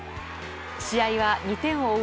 試合は２点を追う